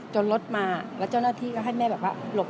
รถมาแล้วเจ้าหน้าที่ก็ให้แม่แบบว่าหลบ